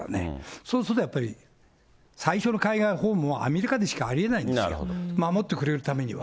そうするとやっぱり、最初の海外訪問はアメリカでしかありえないんですよ、守ってくれるためには。